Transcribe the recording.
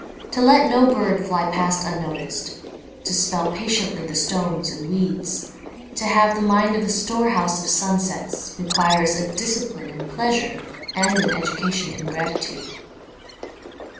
To let no bird fly past unnoticed, to spell patiently the stones and weeds, to have the mind a storehouse of sunsets, requires a discipline in pleasure and an education in gratitude.